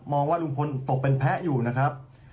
ว่าลุงพลตกเป็นแพ้อยู่นะครับ